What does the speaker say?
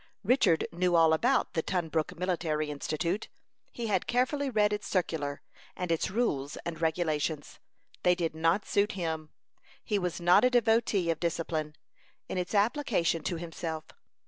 Richard knew all about the Tunbrook Military Institute. He had carefully read its circular, and its rules and regulations. They did not suit him. He was not a devotee of discipline, in its application to himself.